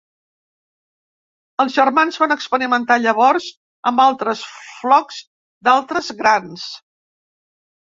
Els germans van experimentar llavors amb altres flocs d'altres grans.